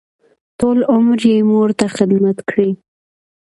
ټول عمر یې مور ته خدمت کړی.